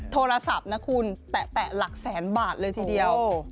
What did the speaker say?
โทรศัพท์นะคุณแตะหลักแสนบาทเลยทีเดียว